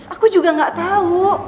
aku juga gak tau